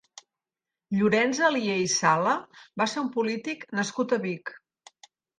Llorenç Alier i Sala va ser un polític nascut a Vic.